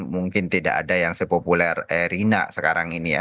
mungkin tidak ada yang sepopuler erina sekarang ini ya